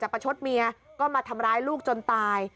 ประชดเมียก็มาทำร้ายลูกจนตาย